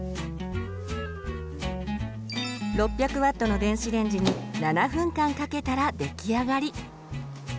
６００Ｗの電子レンジに７分間かけたら出来上がり。